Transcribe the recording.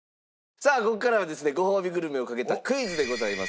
さあここからはですねごほうびグルメを懸けたクイズでございます。